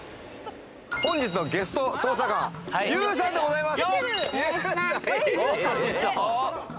本日のゲスト捜査官、ＹＯＵさんでございます。